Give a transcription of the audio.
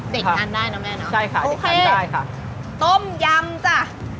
เด็กกันได้เนอะแม่เนอะใช่ค่ะโอเคต้มยำจ้ะ